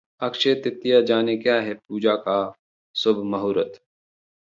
अक्षय तृतीया: जानें क्या है पूजा का शुभ मुहूर्त